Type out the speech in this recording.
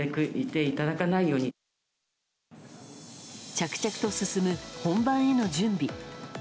着々と進む本番への準備。